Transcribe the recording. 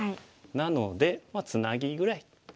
なのでツナギぐらい。